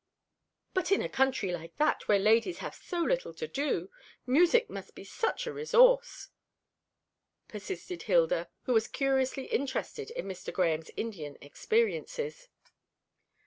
"But in a country like that, where ladies have so little to do, music must be such a resource," persisted Hilda, who was curiously interested in Mr. Grahame's Indian experiences.